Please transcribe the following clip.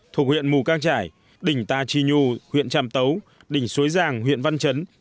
thuộc huyện mù cang trải đỉnh ta trì nhu huyện tràm tấu đỉnh suối giàng huyện văn chấn